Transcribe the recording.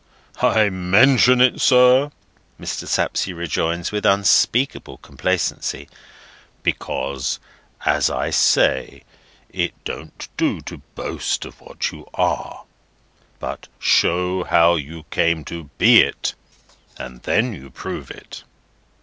"I mention it, sir," Mr. Sapsea rejoins, with unspeakable complacency, "because, as I say, it don't do to boast of what you are; but show how you came to be it, and then you prove it."